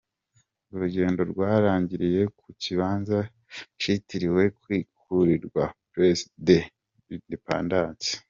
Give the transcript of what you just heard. Urugendo rwarangiriye ku kibanza citiriwe kwikukira, Place de l'Independance.